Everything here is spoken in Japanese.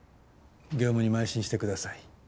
業務にまい進してください。